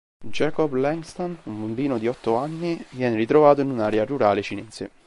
Jacob Langston, un bambino di otto anni, viene ritrovato in un'area rurale cinese.